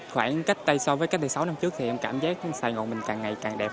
khoảng cách đây so với cách đây sáu năm trước thì em cảm giác sài gòn mình càng ngày càng đẹp